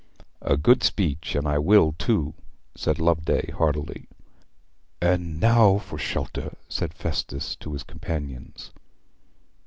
"' 'A good speech. And I will, too,' said Loveday heartily. 'And now for shelter,' said Festus to his companions.